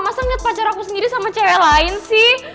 masa ngeliat pacar aku sendiri sama cewek lain sih